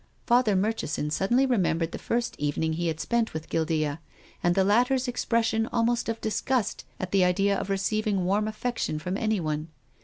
Father Murchison suddenly remembered the first evening he had spent with Guildea, and the latter's expression almost of disgust, at the idea of receiving warm affection from anyone.